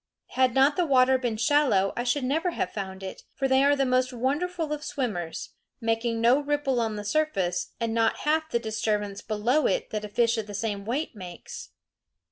Had not the water been shallow I should never have found it; for they are the most wonderful of swimmers, making no ripple on the surface, and not half the disturbance below it that a fish of the same weight makes.